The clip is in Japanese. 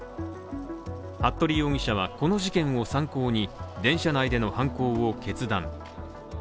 服部容疑者はこの事件を参考に、電車内での犯行を決断。